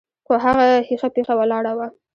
خو هغه هيښه پيښه ولاړه وه.